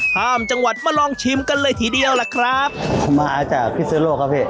ท่ามจังหวัดมาลองชิมกันเลยทีเดียวแหละครับมาจากพิษโลกครับเฮ้ย